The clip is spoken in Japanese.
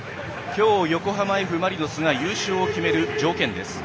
今日、横浜Ｆ・マリノスが優勝を決める条件です。